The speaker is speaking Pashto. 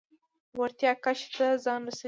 وړتیاوو کچه ته ځان ورسوو.